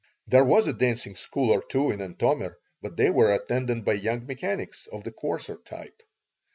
There was a dancing school or two in Antomir, but they were attended by young mechanics of the coarser type.